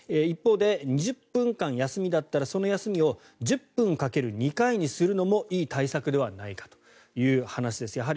一方で２０分間休みだったらその休みを１０分掛ける２回にするのもいい対策ではないかという話です。